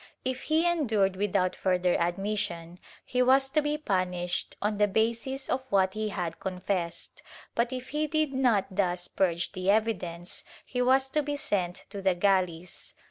If he endured without further admission, he was to be pmiished on the basis of what he had confessed, but if he did not thus purge the evidence, he was to be sent to the galleys.